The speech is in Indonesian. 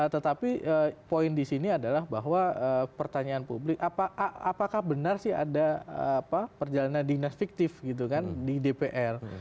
tetapi poin di sini adalah bahwa pertanyaan publik apakah benar sih ada perjalanan dinas fiktif gitu kan di dpr